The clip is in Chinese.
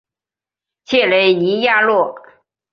切雷尼亚诺。